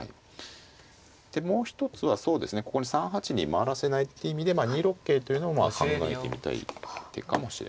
でもう一つはここに３八に回らせないって意味で２六桂というのも考えてみたい手かもしれません。